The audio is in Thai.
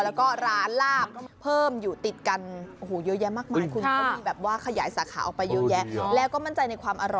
แล้วก็ร้านลาบเพิ่มอยู่ติดที่ใส่กัน